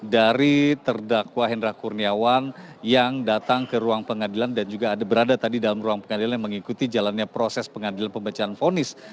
dari terdakwa hendra kurniawan yang datang ke ruang pengadilan dan juga ada berada tadi dalam ruang pengadilan yang mengikuti jalannya proses pengadilan pembacaan fonis